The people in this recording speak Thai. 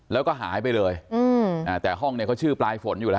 แล้วก็หายไปเลยอืมอ่าแต่ห้องเนี่ยเขาชื่อปลายฝนอยู่แล้ว